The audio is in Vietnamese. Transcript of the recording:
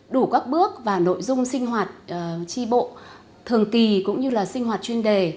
đủ các bước và nội dung sinh hoạt tri bộ thường kỳ cũng như là sinh hoạt chuyên đề